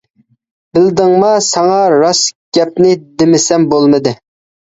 بىلدىڭما؟ ساڭا راست گەپنى دېمىسەم بولمىدى.